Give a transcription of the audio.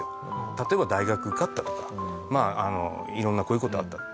例えば大学受かったとかいろんなこういう事あったって。